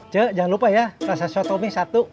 cik jangan lupa ya rasa soto mie satu